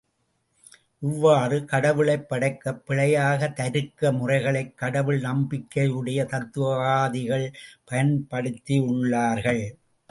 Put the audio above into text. இவ்வாறு கடவுளைப் படைக்கப் பிழையாக தருக்க முறைகளைக் கடவுள் நம்பிக்கையுடைய தத்துவவாதிகள் பயன்படுத்தியுள்ளார்கள்.